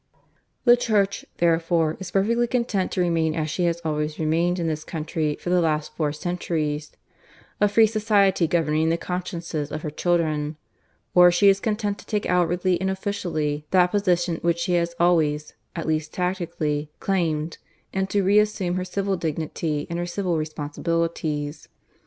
"The Church, therefore, is perfectly content to remain as she has always remained in this country for the last four centuries a free society governing the consciences of her children. Or she is content to take outwardly and officially that position which she has always, at least tacitly, claimed, and to reassume her civil dignity and her civil responsibilities.